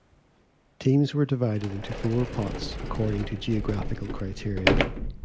Teams were divided into four pots according to geographical criteria.